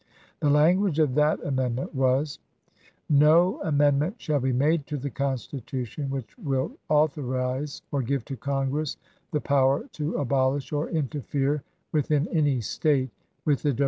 The language of that amendment was : "No amendment shall be made to the Constitution which will authorize or give to Congress the power to abolish or interfere within any State with the do « PGiot>e!"'